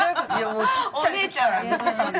お姉ちゃん！